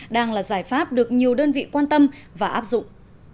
đang là giải pháp được nhiều đơn vị quan tâm và áp dụng